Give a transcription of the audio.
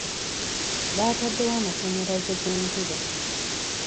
Baataddewo amasannyalaze g'enjuba.